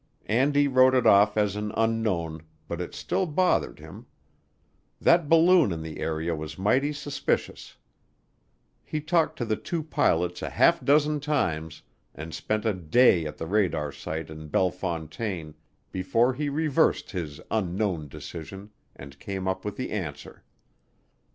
Andy wrote it off as an unknown but it still bothered him; that balloon in the area was mighty suspicious. He talked to the two pilots a half dozen times and spent a day at the radar site at Bellefontaine before he reversed his "Unknown" decision and came up with the answer.